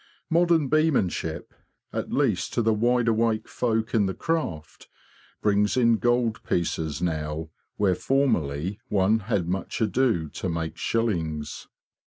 Modern beemanship, at least to the wide awake folk in the craft, brings in gold pieces now where formerly one had much ado to make shillings.